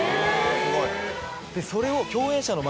すごい。